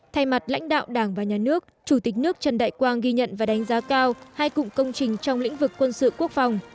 thay mặt lãnh đạo đảng và nhà nước chủ tịch nước trần đại quang ghi nhận và đánh giá cao hai cụm công trình trong lĩnh vực quân sự quốc phòng